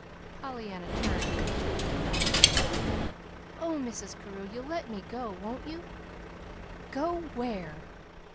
Pollyanna turned with a quick cry. "Oh, Mrs. Carew, you'll let me go, won't you?" "Go where?"